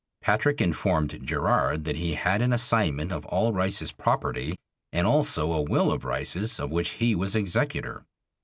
Patrick informed Gerard that he had an assignment of all Rice's property and also a will of Rice's of which he was executor.